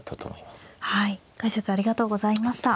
解説ありがとうございました。